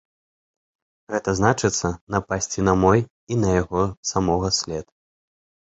Гэта значыцца напасці на мой і на яго самога след.